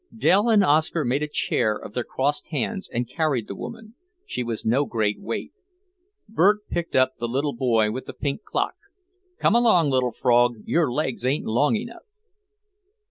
Dell and Oscar made a chair of their crossed hands and carried the woman, she was no great weight. Bert picked up the little boy with the pink clock; "Come along, little frog, your legs ain't long enough."